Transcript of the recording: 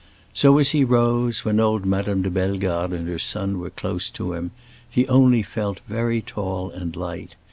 So as he rose, when old Madame de Bellegarde and her son were close to him, he only felt very tall and light.